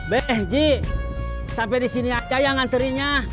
be ji sampai di sini aja yang nganterinnya